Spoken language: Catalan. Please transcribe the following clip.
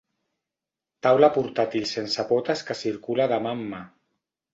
Taula portàtil sense potes que circula de mà en mà.